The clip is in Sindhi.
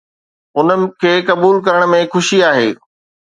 ان کي قبول ڪرڻ ۾ خوشي آهي.